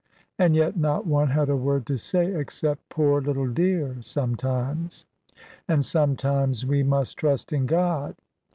And yet not one had a word to say except "poor little dear!" sometimes; and sometimes, "we must trust in God."